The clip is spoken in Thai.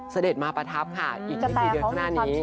เสด็จมาประทับค่ะอีกไม่กี่เดือนข้างหน้านี้